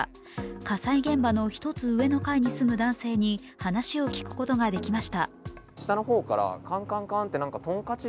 火災現場の１つ上の階に住む男性に話を聞くことができました。